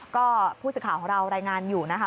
ก็ผู้สื่อข่าวของเรารายงานอยู่นะคะ